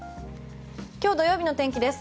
今日土曜日の天気です。